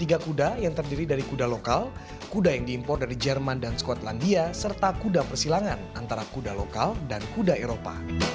tiga kuda yang terdiri dari kuda lokal kuda yang diimpor dari jerman dan skotlandia serta kuda persilangan antara kuda lokal dan kuda eropa